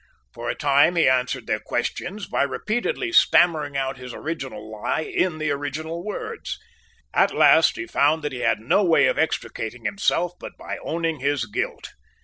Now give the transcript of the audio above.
For a time he answered their questions by repeatedly stammering out his original lie in the original words. At last he found that he had no way of extricating himself but by owning his guilt.